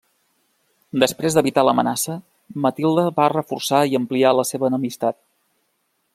Després d'evitar l'amenaça, Matilde va reforçar i ampliar la seva enemistat.